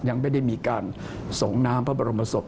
ยังไม่ได้มีการส่งน้ำพระบรมศพ